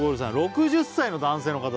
６０歳の男性の方です